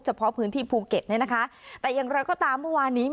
เฉพาะพื้นที่ภูเก็ตเนี่ยนะคะแต่อย่างไรก็ตามเมื่อวานนี้